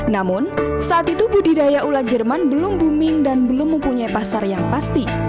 namun saat itu budidaya ulat jerman belum booming dan belum mempunyai pasar yang pasti